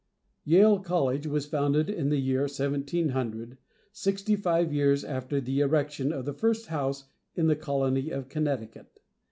Yale College was founded in the year 1700, sixty five years after the erection of the first house in the Colony of Connecticut.